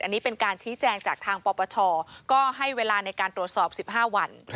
อันนี้เป็นการชี้แจงจากทางปปชก็ให้เวลาในการตรวจสอบ๑๕วัน